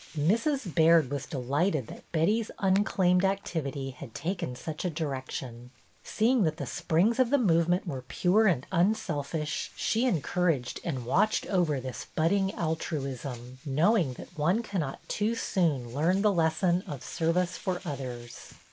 ",( Mrs. Baird was delighted that Betty's | unclaimed activity had taken such a direc ,'| tion. Seeing that the springs of the move || ment were pure and unselfish, she encouraged | and watched over this budding altruism, know i ii ing that one cannot too soon learn the lesson if of service for others.